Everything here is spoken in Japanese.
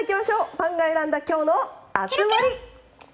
ファンが選んだ今日の熱盛！